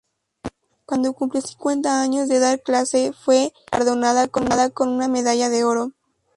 Cuando cumplió cincuenta años de dar clases fue galardonada con una medalla de oro.